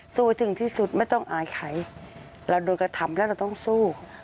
สู้ถึงที่สุดไม่ต้องอายใครเราโดนกระทำแล้วเราต้องสู้